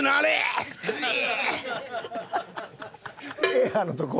エアのとこ？